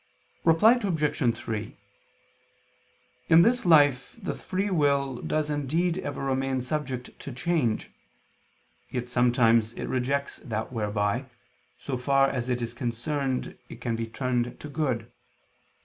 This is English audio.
Reply Obj. 3: In this life the free will does indeed ever remain subject to change: yet sometimes it rejects that whereby, so far as it is concerned, it can be turned to good.